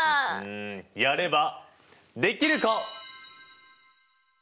やればできる子！